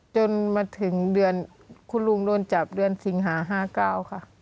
จนมาถึงเดือนคุณลุงโดนจับเดือนสิงหา๕๙ค่ะ